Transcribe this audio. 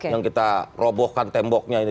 yang kita robohkan temboknya ini